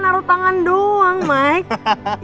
naruh tangan doang mike